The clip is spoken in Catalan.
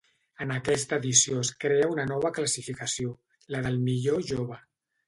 En aquesta edició es crea una nova classificació, la del millor jove.